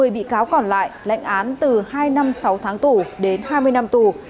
một mươi bị cáo còn lại lãnh án từ hai năm sáu tháng tù đến hai mươi năm tù